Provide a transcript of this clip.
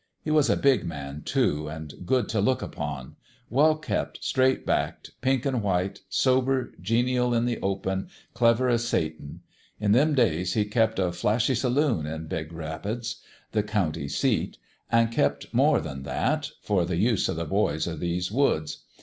He was a big man, too, an' good t' look upon : well kept, straight backed, pink an' white, sober, genial in the open, clever as Satan. In them days he kep' a flashy saloon at Big Rapids, the county seat an' kep' more than that for the use of the boys o' these woods.